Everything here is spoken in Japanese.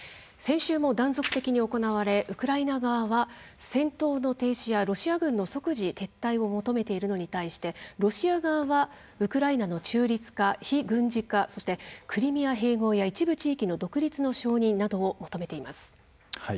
先週も断続的に行われウクライナ側は戦闘の停止やロシア軍の即時撤退を求めているのに対してロシア側はウクライナの中立化・非軍事化そしてクリミア併合や一部地域の独立の承認などを求めています。